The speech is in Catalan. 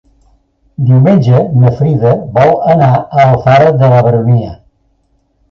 Diumenge na Frida vol anar a Alfara de la Baronia.